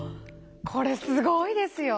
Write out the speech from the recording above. これすごいですよ！